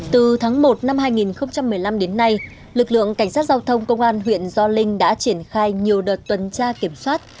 từ tháng một năm hai nghìn một mươi năm đến nay lực lượng cảnh sát giao thông công an huyện gio linh đã triển khai nhiều đợt tuần tra kiểm soát